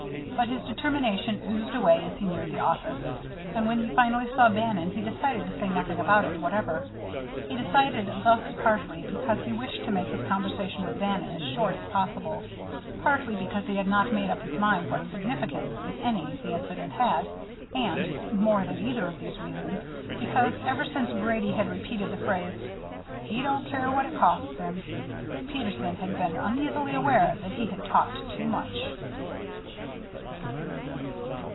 But his determination oozed away as he neared the office, and when he finally saw Bannon he decided to say nothing about it whatever. He decided thus partly because he wished to make his conversation with Bannon as short as possible, partly because he had not made up his mind what significance, if any, the incident had, and (more than either of these reasons) because ever since Grady had repeated the phrase: "He don't care what it costs him," Peterson had been uneasily aware that he had talked too much.